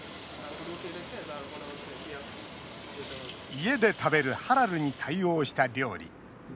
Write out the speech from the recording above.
家で食べるハラルに対応した料理。